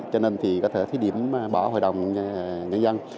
cho nên thì có thể thí điểm bỏ hội đồng nhân dân